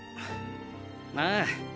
ああ！